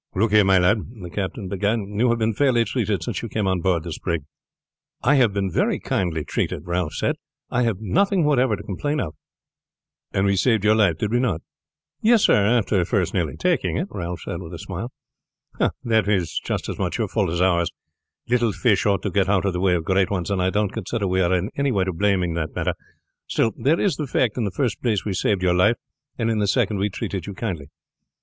"Look here, my lad," the captain began, "you have been fairly treated since you came on board this brig." "I have been very kindly treated," Ralph said. "I have nothing whatever to complain of." "And we saved your life did we not?" "Yes, sir, after first nearly taking it," Ralph said with a smile. "Ah, that was just as much your fault as ours. Little fish ought to get out of the way of great ones, and I don't consider we were in any way to blame in that matter. Still there is the fact in the first place we saved your life, and in the second we treated you kindly."